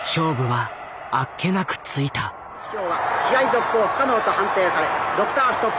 続行不可能と判定されドクターストップ。